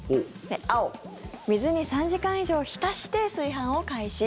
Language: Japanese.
青、水に３時間以上浸して炊飯を開始。